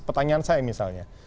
pertanyaan saya misalnya